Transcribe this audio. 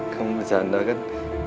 kamu bercanda kan